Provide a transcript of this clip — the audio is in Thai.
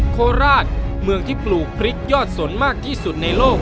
โคราชเมืองที่ปลูกพริกยอดสนมากที่สุดในโลก